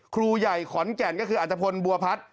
ครูใหญ่ขอนแก่นก็คืออัตภพลบัวพัฒน์